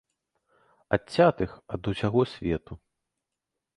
Адцятых ад усяго свету.